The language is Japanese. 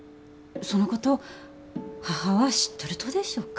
そのこと母は知っとるとでしょうか？